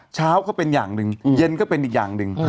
ก็เป็นอย่างหนึ่งเย็นก็เป็นอีกอย่างหนึ่ง